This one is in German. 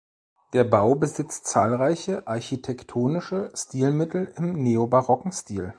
Der Bau besitzt zahlreiche architektonische Stilmittel im neobarocken Stil.